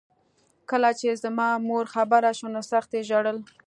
کله چې زما مور خبره شوه نو سخت یې ژړل